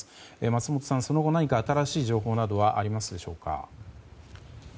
松本さん、その後何か新しい情報などはありますでしょうか。